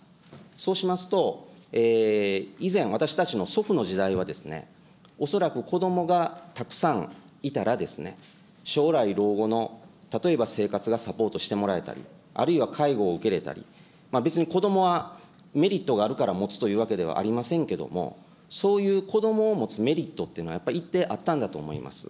そうしますと、以前、私たちの祖父の時代は、恐らくこどもがたくさんいたらですね、将来老後の、例えば生活がサポートしてもらえたり、あるいは介護を受けれたり、別に子どもはメリットがあるから持つというわけではありませんけども、そういう子どもを持つメリットっていうのは、やっぱり一定あったんだと思います。